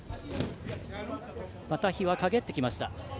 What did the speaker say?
また日はかげってきました。